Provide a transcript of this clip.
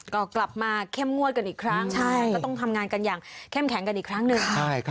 ก็กลับมาเข้มงวดกันอีกครั้งก็ต้องทำงานกันอย่างเข้มแข็งกันอีกครั้งหนึ่ง